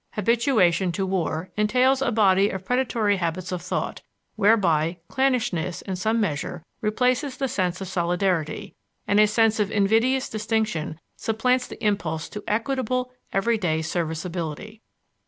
Habituation to war entails a body of predatory habits of thought, whereby clannishness in some measure replaces the sense of solidarity, and a sense of invidious distinction supplants the impulse to equitable, everyday serviceability.